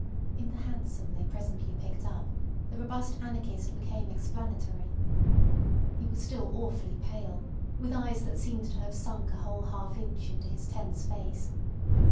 In the hansom they presently picked up, the robust anarchist became explanatory. He was still awfully pale, with eyes that seemed to have sunk a whole half inch into his tense face.